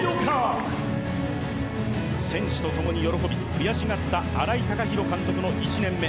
選手とともに喜び、悔しがった新井貴浩監督の１年目。